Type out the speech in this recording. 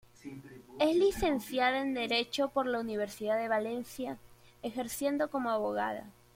Es licenciada en Derecho por la Universidad de Valencia, ejerciendo como abogada.